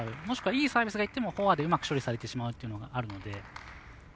もしくはいいサービスがいってもフォアでうまく処理されてしまうというのがあるので。